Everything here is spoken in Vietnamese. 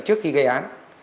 trước khi gây án